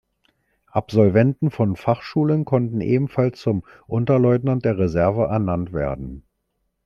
Absolventen von Fachschulen konnten ebenfalls zum "Unterleutnant der Reserve" ernannt werden.